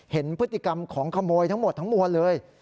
เห็นพฤติกรรมของขโมยทั้งหมดทั้งมวลเลย